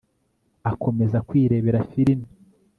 akomeza kwirebera film